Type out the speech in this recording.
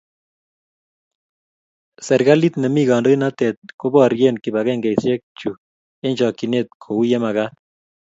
Serikali nemi kandoinatet koborie kibagengeisiek chu eng chokchinet kouye magat